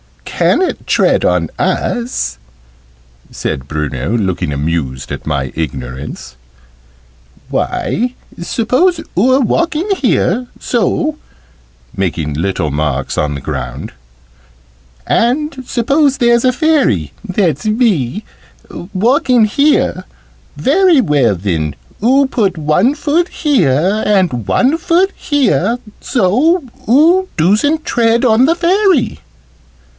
"Ca'n't tread on us," said Bruno, looking amused at my ignorance. "Why, suppose oo're walking, here so " (making little marks on the ground) "and suppose there's a Fairy that's me walking here. Very well then, oo put one foot here, and one foot here, so oo doosn't tread on the Fairy."